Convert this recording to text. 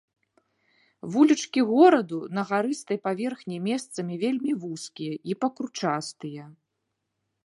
Вулічкі гораду на гарыстай паверхні месцамі вельмі вузкія і пакручастыя.